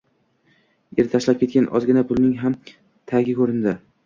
Eri tashlab ketgan ozgina pulning ham tagi ko`rindi